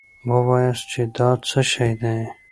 وواياست چې دا څه شی دی.